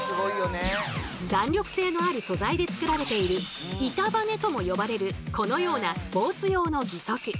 弾力性のある素材で作られている「板バネ」とも呼ばれるこのようなスポーツ用の義足。